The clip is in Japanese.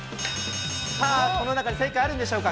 さあ、この中で正解あるんでしょうか。